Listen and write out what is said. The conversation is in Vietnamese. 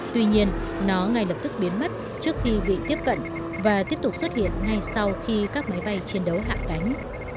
tuy nhiên nó ngay lập tức biến mất trước khi bị tiếp cận và tiếp tục xuất hiện ngay sau khi các máy bay chiến đấu hạ cánh